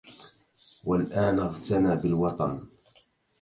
والآن اغتنى بالوطنِ!